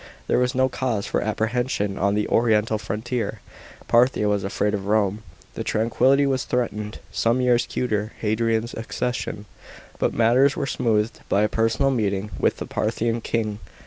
There was no cause for apprehension on the oriental frontier. Parthia was afraid of Rome. The tranquillity was threatened some years cuter Hadrian's accession, but matters were smoothed by a personal meeting with the Parthian king.